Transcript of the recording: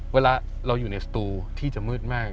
เวลาเราอยู่ในสตูที่จะมืดมาก